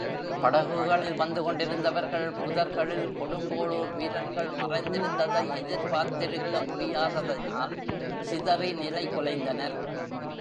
படகுகளில் வந்துகொண்டிருந்தவர்கள் புதர்களில் கொடுங்கோளூர் வீரர்கள் மறைந்திருந்ததை எதிர்பார்த்திருக்க முடியாத தனால் சிதறி நிலை குலைந்தனர்.